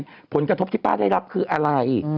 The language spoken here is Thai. ผมป้าอยู่ตรงไหนผลกระทบที่ป้าได้รับคืออะไร